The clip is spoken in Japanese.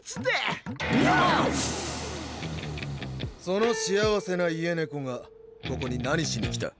その幸せな家猫がここに何しに来た。